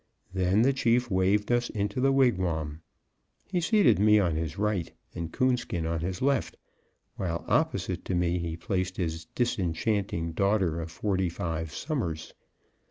Then the chief waved us into the wigwam. He seated me on his right, and Coonskin on his left, while opposite to me he placed his disenchanting daughter of forty five summers.